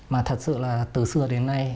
mà thật sự là từ xưa đến nay